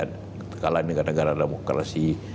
kekalahan dengan negara demokrasi